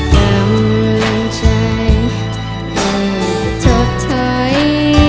คำลังใจให้จบท้าย